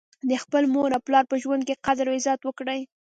د خپل مور او پلار په ژوند کي قدر او عزت وکړئ